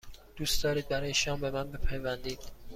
دوست دارید برای شام به من بپیوندید؟